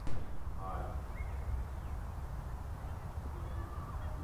They sang without any instrumental accompaniment whatever.